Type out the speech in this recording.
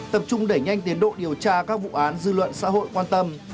tập trung đẩy nhanh tiến độ điều tra các vụ án dư luận xã hội quan tâm